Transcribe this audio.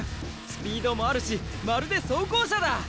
スピードもあるしまるで装甲車だ！